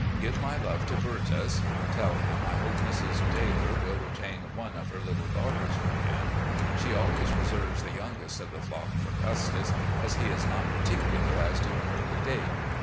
Give my love to Bertus. Tell him I hope Mrs. Taylor will retain one of her little daughters for him. She always reserves the youngest of the flock for Custis, as he is not particnilar as to an early date.